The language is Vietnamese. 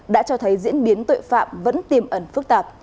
đã cho thấy diễn biến tội phạm vẫn tiềm ẩn phức tạp